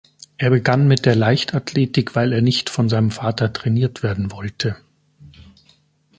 Er begann mit der Leichtathletik, weil er nicht von seinem Vater trainiert werden wollte.